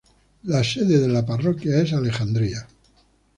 La sede de la parroquia es Alexandria.